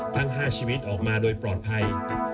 ทั้ง๕ชีวิตออกมาโดยปลอดภัย